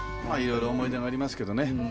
「まあ色々思い出がありますけどね